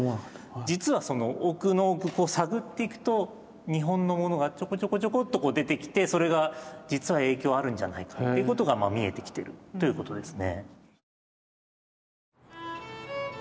実はその奥の奥こう探っていくと日本のものがちょこちょこちょこっと出てきてそれが実は影響あるんじゃないかっていうことが見えてきてるということですね。